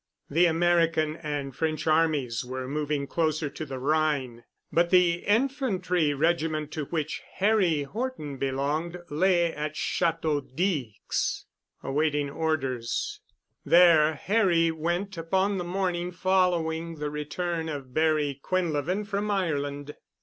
The American and French armies were moving closer to the Rhine, but the Infantry regiment to which Harry Horton belonged lay at Château Dix awaiting orders. There Harry went upon the morning following the return of Barry Quinlevin from Ireland.